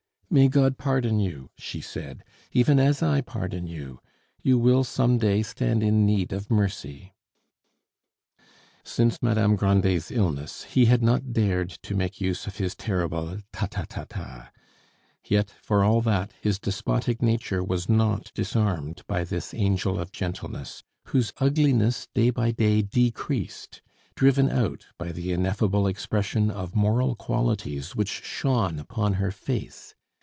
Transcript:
"May God pardon you," she said, "even as I pardon you! You will some day stand in need of mercy." Since Madame Grandet's illness he had not dared to make use of his terrible "Ta, ta, ta, ta!" Yet, for all that, his despotic nature was not disarmed by this angel of gentleness, whose ugliness day by day decreased, driven out by the ineffable expression of moral qualities which shone upon her face.